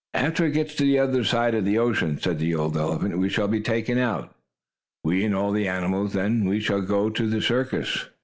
"After it gets to the other side of the ocean," said the old elephant, "we shall be taken out we and all the animals. Then we shall go to the circus."